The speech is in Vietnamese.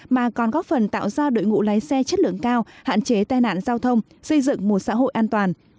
mà còn góp phần tạo ra đội ngũ lái xe chất lượng cao hạn chế tai nạn giao thông xây dựng một xã hội an toàn